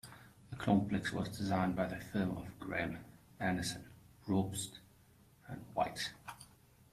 The complex was designed by the firm of Graham, Anderson, Probst, and White.